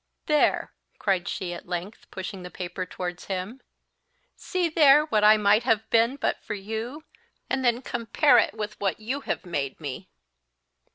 "There!" cried she, at length, pushing the paper towards him, "see there what I might have been but for you; and then compare it with what you have made me!"